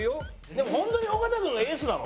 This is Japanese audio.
でも本当に尾形君がエースなの？